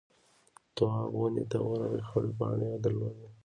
تواب ونې ته ورغئ خړې پاڼې يې درلودې.